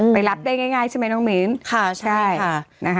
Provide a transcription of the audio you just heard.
ไปรับได้ง่ายใช่มั้ยน้องมีนค่ะใช่ค่ะ